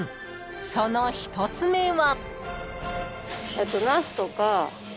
［その１つ目は］